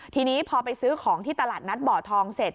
ทีนี้พอไปซื้อของที่ตลาดนัดบ่อทองเสร็จ